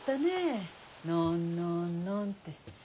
「のんのんのん」って。